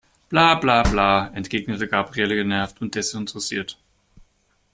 Bla bla bla, entgegnete Gabriele genervt und desinteressiert.